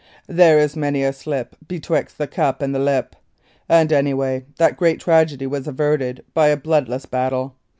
There is many a slip betwixt the cup and the lip, and anyway, that great tragedy was averted by a bloodless battle.